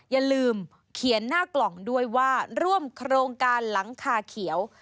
อย่าลืมเขียนหน้ากล่องด้วยว่าร่วมโครงการหลังคาเขียว